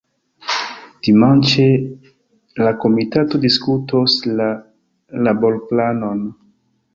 Dimanĉe la komitato diskutos la laborplanon.